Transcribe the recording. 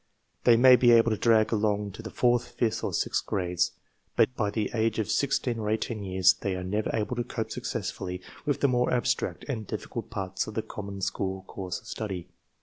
They may be able to drag along to the fourth, fifth, or sixth grades, but even by the age of 10 or 38 years they arc* never able to cope successfully with the more abstract and diffi cult parts of the common school course of study.